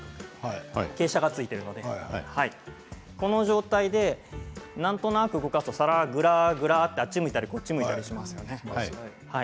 傾斜がついていますのでこの状態でなんとなく動かすとお皿がぐらぐらとあっちを向いたりこっちを向いたりしますよね。